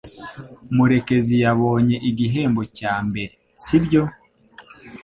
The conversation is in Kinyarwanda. murekezi yabonye igihembo cya mbere, sibyo?